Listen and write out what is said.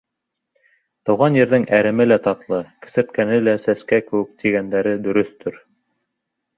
Тыуған ерҙең әреме лә татлы, кесерткәне лә сәскә кеүек тигәндәре дөрөҫтөр.